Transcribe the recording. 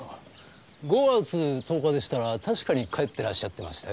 ５月１０日でしたら確かに帰ってらっしゃってましたよ